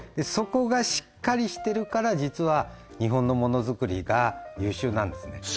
そこがしっかりしてるから実は日本のものづくりが優秀なんですね